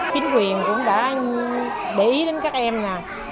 chính quyền cũng đã để ý đến các em